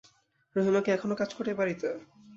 রহিমা কি এখনো কাজ করে এ-বাড়িতে?